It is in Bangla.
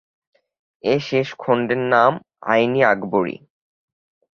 এ শেষ খন্ডের নাম আইন-ই-আকবরী।